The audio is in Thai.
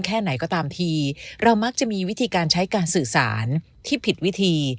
แค่ไหนก็ตามทีเรามักจะมีวิธีการใช้การสื่อสารที่ผิดวิธี